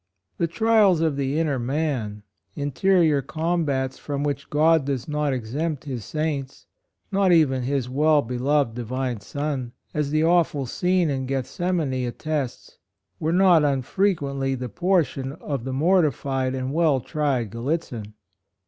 The trials of the inner man — interior combats from which God does not exempt his saints, not HIS TRIALS. 121 even his well beloved divine Son, as the awful scene in Grethsema ni attests, were not unfrequently the portion of the mortified and well tried Grallitzin.